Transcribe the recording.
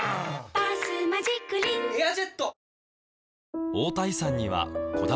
「バスマジックリン」「エアジェット」！